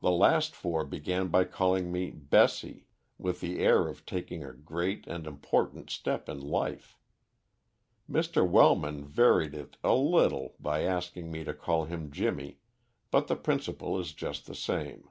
The last four began by calling me 'Bessie,' with the air of taking a great and important step in life. Mr. Wellman varied it a little by asking me to call him Jimmy, but the principle is just the same.